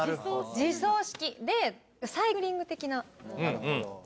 自走式でサイクリング的な。